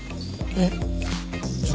えっ？